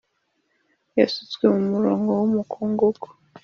yasutswe mumurongo wumukungugu